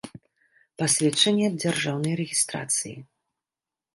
Пасведчанне аб дзяржаўнай рэгiстрацыi.